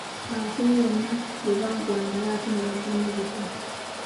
Abasomi bonna lwe baggwangayo ate ne baddamu buto.